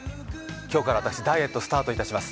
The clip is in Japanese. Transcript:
今日から私、ダイエットスタートいたします。